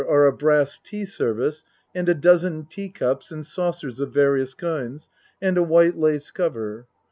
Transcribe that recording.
are a brass tea service and a dozen teacups and saucers of various kinds and a white lace cover.